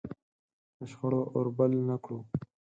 د شخړو اور بل نه کړو.